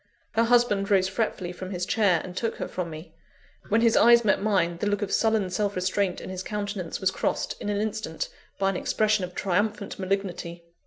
Her husband rose fretfully from his chair, and took her from me. When his eyes met mine, the look of sullen self restraint in his countenance was crossed, in an instant, by an expression of triumphant malignity.